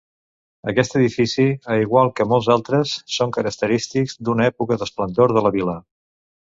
Aquest edifici, a igual que molts altres, són característics d'una època d'esplendor de la vila.